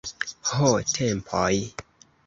Ho, tempoj!